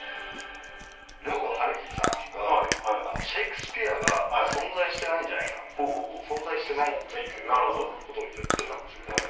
遼河はるひさんが「シェイクスピアが存在してないんじゃないか」みたいな。存在してないっていうことを言ってたんです。